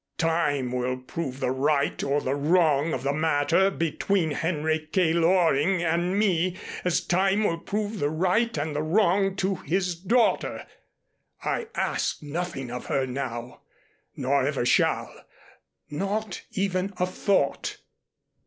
Time will prove the right or the wrong of the matter between Henry K. Loring and me as time will prove the right and the wrong to his daughter. I ask nothing of her now, nor ever shall, not even a thought.